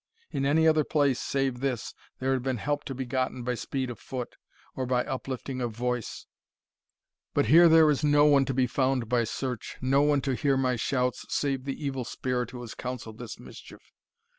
In any other place, save this, there had been help to be gotten by speed of foot, or by uplifting of voice but here there is no one to be found by search, no one to hear my shouts, save the evil spirit who has counselled this mischief.